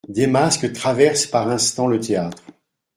Des masques traversent par instans le théâtre.